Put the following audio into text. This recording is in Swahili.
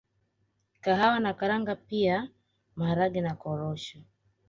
kahawa na karanga pia Maharage na korosho